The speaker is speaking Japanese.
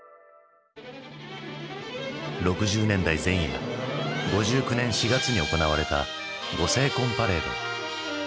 ６０年代前夜５９年４月に行われたご成婚パレード。